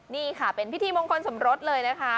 นี่ค่ะเป็นพิธีมงคลสมรสเลยนะคะ